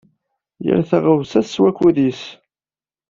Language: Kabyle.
Yal taɣawsa s wakud-is.